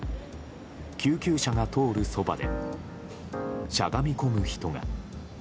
救急車が通るそばでしゃがみ込む人が。